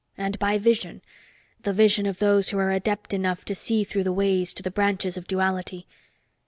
And by vision the vision of those who are adept enough to see through the Ways to the branches of Duality.